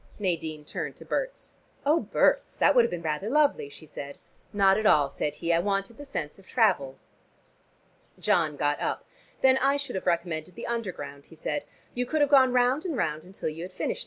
Nadine turned to Berts. "Oh, Berts, that would have been rather lovely," she said. "Not at all," said he. "I wanted the sense of travel." John got up. "Then I should have recommended the Underground," he said. "You could have gone round and round until you had finished.